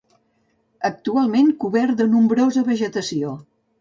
Actualment cobert de nombrosa vegetació.